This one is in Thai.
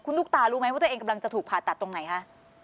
ตุ๊กตารู้ไหมว่าตัวเองกำลังจะถูกผ่าตัดตรงไหนคะ